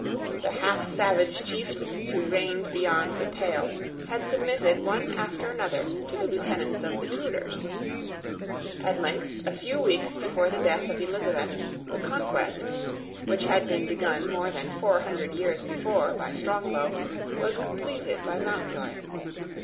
The half savage chieftains who reigned beyond the pale had submitted one after another to the lieutenants of the Tudors. At length, a few weeks before the death of Elizabeth, the conquest, which had been begun more than four hundred years before by Strongbow, was completed by Mountjoy.